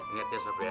ingat ya sob ya